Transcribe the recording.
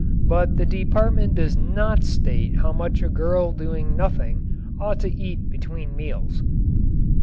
But the Department does not state how much a girl doing nothing ought to eat between meals.